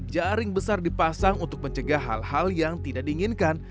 jaring besar dipasang untuk mencegah hal hal yang tidak diinginkan